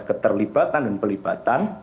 keterlibatan dan pelibatan